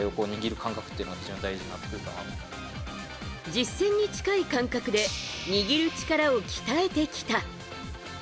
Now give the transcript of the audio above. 実戦に近い感覚で握る力を鍛えてきた。